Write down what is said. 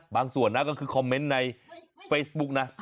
ส่วนนะก็คือคอมเมนต์ในเฟซบุ๊กนะ